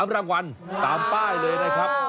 รางวัลตามป้ายเลยนะครับ